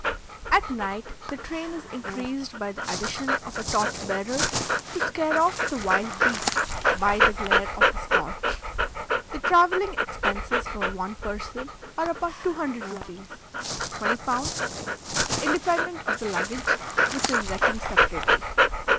At night the train is increased by the addition of a torch bearer, to scare off the wild beasts by the glare of his torch. The travelling expenses for one person are about 200 rupees (20 pounds), independent of the luggage, which is reckoned separately.